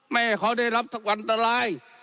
ไม่เขาได้รับใช้ฝันอะไร